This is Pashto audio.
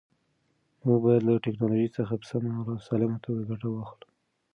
موږ باید له ټیکنالوژۍ څخه په سمه او سالمه توګه ګټه واخلو.